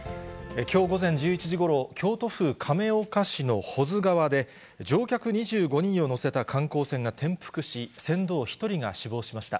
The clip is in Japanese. きょう午前１１時ごろ、京都府亀岡市の保津川で、乗客２５人を乗せた観光船が転覆し、船頭１人が死亡しました。